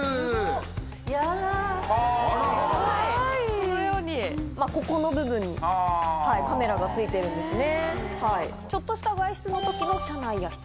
このようにここの部分にカメラが付いてるんですね。